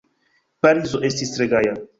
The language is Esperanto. Parizo estis tre gaja.